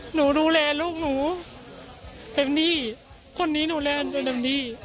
หนูดูแลลูกหนูเต็มที่คนนี้หนูแลนจนเต็มที่